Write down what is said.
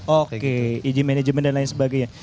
oke izin manajemen dan lain sebagainya